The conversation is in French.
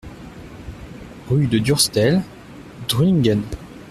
Rue de Durstel, Drulingen